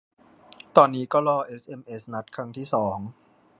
ตอนนี้ก็รอเอสเอ็มเอสนัดครั้งที่สอง